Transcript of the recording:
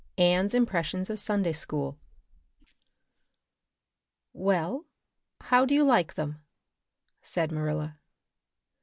Anne's Impressions of Sunday School WELL, how do you like them?" said Marilla.